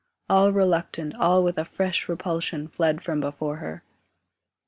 All reluctant, all with a fresh repulsion, Fled from before her.